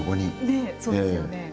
ねえそうですよね。